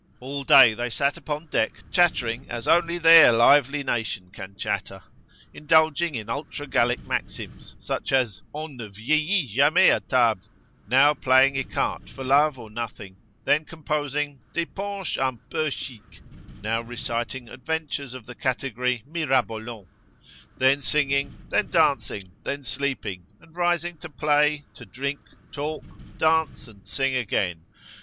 All day they sat upon deck chattering as only their lively nation can chatter, indulging in ultra gallic maxims, such as "on ne vieillit jamais a table;" now playing ecarte for love or nothing, then composing "des ponches un peu chiques;" now reciting adventures of the category "Mirabolant," then singing, then dancing, then sleeping, and rising to play, to drink, talk, dance, and sing again.